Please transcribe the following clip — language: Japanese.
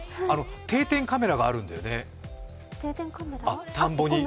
定点カメラがあるんだよね、田んぼに。